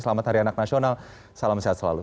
selamat hari anak nasional salam sehat selalu